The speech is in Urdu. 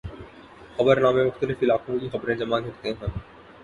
خبرنامے مختلف علاقوں کی خبریں جمع کرتے ہیں۔